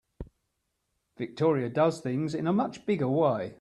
Victoria does things in a much bigger way.